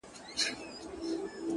د سهادت سپين غمي چا وکرل .!